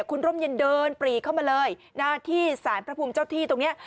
คุณร่มเย็นเดินปรีเข้ามาเลยนะที่สารพระภูมิเจ้าที่ตรงนี้